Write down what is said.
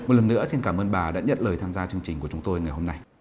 một lần nữa xin cảm ơn bà đã nhận lời tham gia chương trình của chúng tôi ngày hôm nay